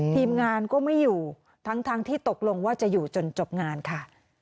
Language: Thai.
ทีมงานก็ไม่อยู่ทั้งที่ตกลงว่าจะอยู่จนจบงานค่ะ